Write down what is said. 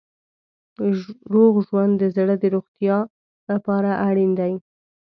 روغ ژوند د زړه د روغتیا لپاره اړین دی.